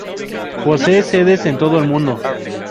Posee sedes en todo el mundo.